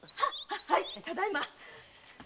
はいただいま！